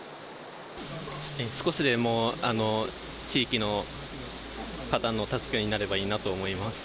少しでも地域の方の助けになればいいなと思います。